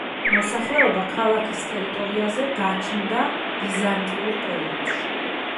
მოსახლეობა ქალაქის ტერიტორიაზე გაჩნდა ბიზანტიურ პერიოდში.